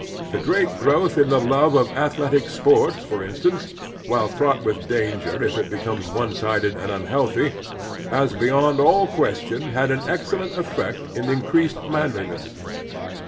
The great growth in the love of athletic sports, for instance, while fraught with danger if it becomes one sided and unhealthy, has beyond all question had an excel lent eflEect in increased manliness.